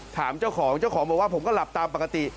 ถามเจ้าของเจ้าของบอกว่าผมก็หลับตามปกติ